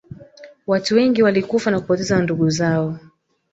watu wengi walikufa na kupoteza ndugu zao